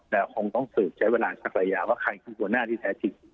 แต่คงต้องสืบใช้เวลานักละอย่างว่าใครคือบรรณาให้แท้ที่